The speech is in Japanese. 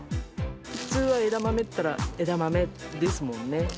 普通は枝豆っていったら、枝豆ですもんね。